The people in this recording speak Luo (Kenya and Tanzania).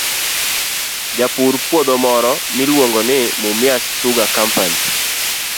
Japur puodho moro miluongo ni Mumias Sugar Company,